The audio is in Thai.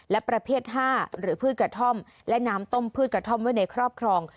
และประเภท๕หรือพืชกระท่อมและน้ำต้มพืชกระท่อมไว้ในครอบครอง